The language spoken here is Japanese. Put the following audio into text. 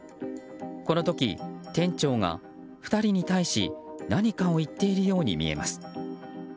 この時、店長が２人に対し何かを言っているように見えます。